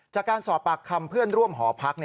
จากการสอบปากคำเพื่อนร่วมหอพัก